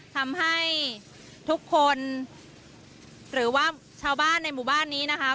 ทำให้ทุกคนหรือว่าชาวบ้านในหมู่บ้านนี้นะคะ